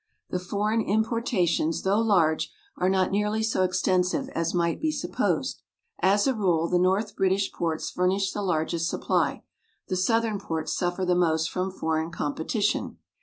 The foreign importations, though large, are not nearly so extensive as might be supposed. As a rule the north British ports furnish the largest supply; the southern ports suffer the most from foreign competition.